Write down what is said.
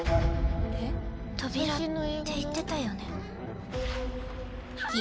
扉って言ってたよね。